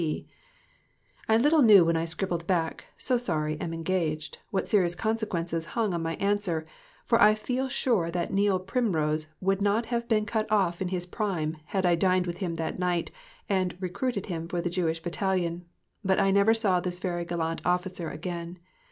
P." I little knew when I scribbled back: "So sorry, am engaged," what serious consequences hung on my answer, for I feel sure that Neil Primrose would not have been cut off in his prime had I dined with him that night and "recruited" him for the Jewish Battalion, but I never saw this very gallant officer again.